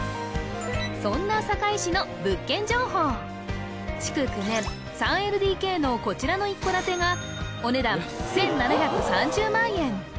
そんな築９年３ＬＤＫのこちらの一戸建てがお値段１７３０万円